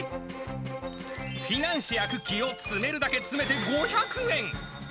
フィナンシェやクッキーを詰めるだけ詰めて５００円。